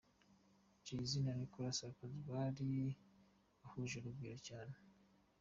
JayZ na Nicolas Sarkozy bari bahuje urugwiro cyane.